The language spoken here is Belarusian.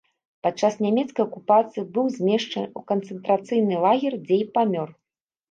Падчас нямецкай акупацыі быў змешчаны ў канцэнтрацыйны лагер, дзе і памёр.